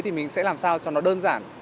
thì mình sẽ làm sao cho nó đơn giản